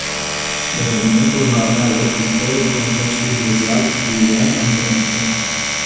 Evenimentul va avea loc în holul complexului muzeal Iulian Antonescu.